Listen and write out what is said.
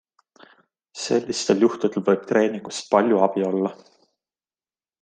Sellistel juhtudel võib treeningust palju abi olla.